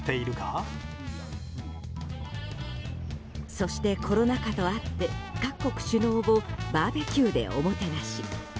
そして、コロナ禍とあって各国首脳をバーベキューでおもてなし。